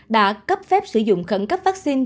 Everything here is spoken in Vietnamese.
đã cấp phép sử dụng khẩn cấp vaccine